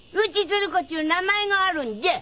つる子っちゅう名前があるんじゃ。